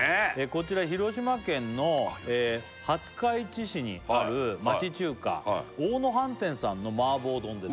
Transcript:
こちら広島県の廿日市市にある町中華大野飯店さんの麻婆丼です